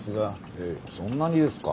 えっそんなにですか。